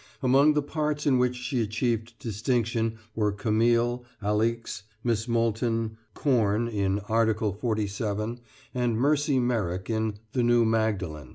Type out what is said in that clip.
Among the parts in which she achieved distinction were Camille, Alixe, Miss Multon, Corn in "Article 47," and Mercy Merrick in "The New Magdalen."